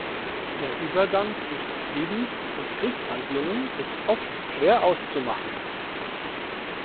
Der Übergang zwischen Friedens- und Kriegshandlungen ist oft schwer auszumachen.